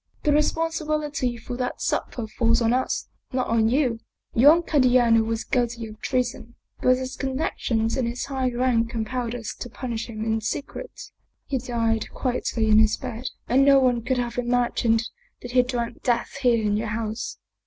" The responsibility for that supper falls on us, not on you. Young Candiano was guilty of treason, but his connections and his high rank compelled us to punish him in secret. He died quietly in his bed, and no one could have imagined that he drank death here in your house.